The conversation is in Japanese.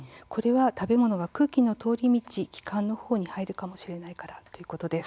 食べ物が空気の通り道気管のほうに入るかもしれないからということです。